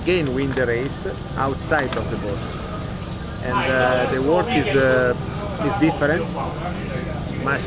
dan menang perang di perairan di luar perang